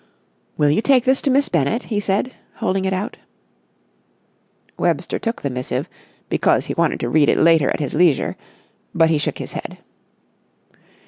"Will you take this to Miss Bennett?" he said, holding it out. Webster took the missive, because he wanted to read it later at his leisure; but he shook his head.